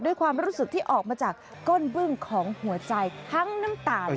ด้วยความรู้สึกที่ออกมาจากก้นบึ้งของหัวใจทั้งน้ำตาล